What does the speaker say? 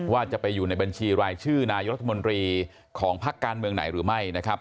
ว่าจะไปอยู่ในบัญชีรายชื่อนายรัฐมนตรีของพักการเมืองไหนหรือไม่นะครับ